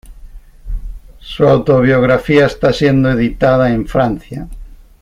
Su autobiografía está siendo editada en Francia.